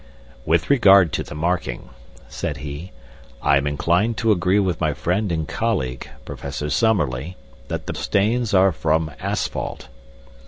"With regard to the marking," said he, "I am inclined to agree with my friend and colleague, Professor Summerlee, that the stains are from asphalt.